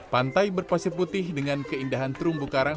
pantai berpasir putih dengan keindahan terumbu karang